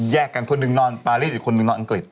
กันคนหนึ่งนอนปารีสอีกคนนึงนอนอังกฤษ